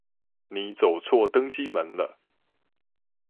你走錯登機門了